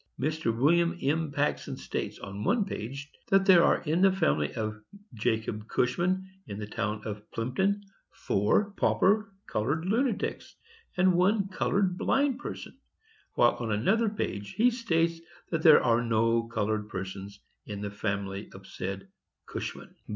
Mr. William M. Packson states, on one page, that there are in the family of Jacob Cushman, in the town of Plympton, four pauper colored lunatics, and one colored blind person; while on another page he states that there are no colored persons in the family of said Cushman.